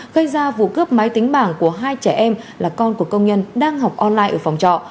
gây ra vụ cướp máy tính bảng của hai trẻ em là con của công nhân đang học online ở phòng trọ